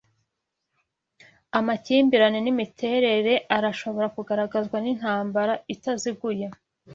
Amakimbirane yimiterere arashobora kugaragazwa nkintambara itaziguye